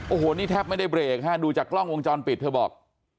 โอ้โหนี่แทบไม่ได้เบรกฮะดูจากกล้องวงจรปิดเธอบอก